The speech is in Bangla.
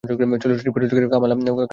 চলচ্চিত্রটি পরিচালনা করেছেন কামাল আহমেদ।